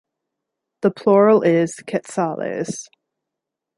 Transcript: The plural is "quetzales".